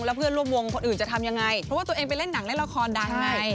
แล้วเพื่อนร่วมวงคนอื่นจะทำยังไงเพราะว่าตัวเองไปเล่นหนังเล่นละครดังไง